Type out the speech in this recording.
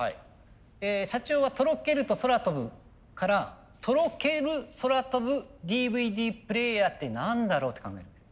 社長は「とろける」と「そらとぶ」から「とろけるそらとぶＤＶＤプレーヤー」って何だろうって考える。